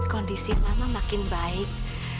kondisi mama makin baik